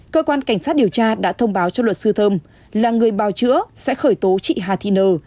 cơ quan cảnh sát điều tra đã thông báo cho luật sư thơm là người bào chữa sẽ khởi tố chị hà thị nờ